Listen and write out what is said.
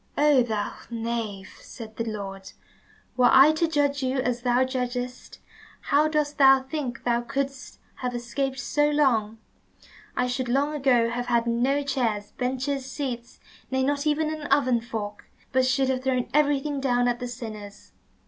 "Oh, thou knave," said the Lord, "were I to judge as thou judgest, how dost thou think thou couldst have escaped so long? I should long ago have had no chairs, benches, seats, nay, not even an oven fork, but should have thrown everything down at the sinners.